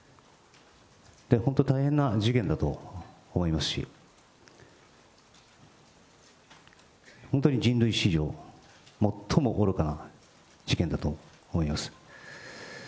本当、大変な事件だと思いますし、本当に人類史上最も愚かな事件だと思います。